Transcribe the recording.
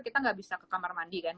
kita nggak bisa ke kamar mandi kan